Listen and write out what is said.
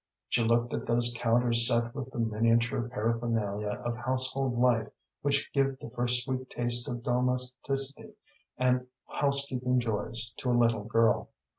She looked at those counters set with the miniature paraphernalia of household life which give the first sweet taste of domesticity and housekeeping joys to a little girl.